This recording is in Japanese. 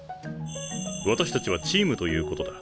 私たちはチームということだ。